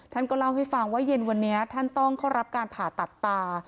ท่านก็เล่าให้ฟังว่าเย็นวันนี้ท่านต้องเข้ารับการผ่าตัดตา